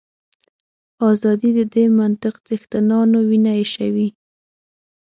ازادي د دې منطق څښتنانو وینه ایشوي.